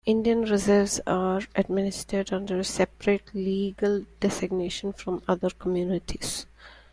Indian Reserves are administered under a separate legal designation from other communities.